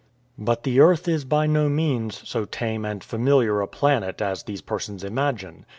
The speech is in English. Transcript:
But the earth is by no means so tame a,nd familiar a planet as these persons imagine.